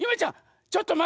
ちょっとまってて！